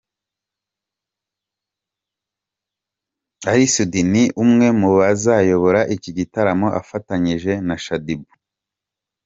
Ally Soudy ni umwe mu bazayobora iki gitaramo afatanyije na ShaddyBoo.